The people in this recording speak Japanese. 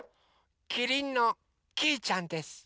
キリンのきいちゃんです。